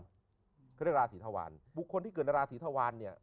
เขาเรียกราศีธวารบุคคลที่เกิดในราศีธวารเนี่ย